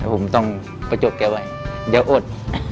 ผมต้องประจบแกไว้เดี๋ยวอด